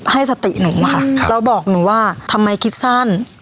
ให้สติหนูอะค่ะแล้วบอกหนูว่าทำไมคิดสั้น